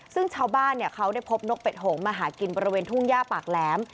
ซึ่งชาวบ้านเขาได้พบนกเป็ดโหงมาหากินบริเวณทุ่งย่าปากแหลม